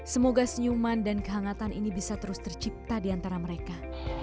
semoga senyuman dan kehangatan ini bisa terus tercipta di antara mereka